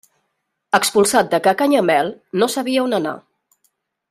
Expulsat de ca Canyamel, no sabia on anar.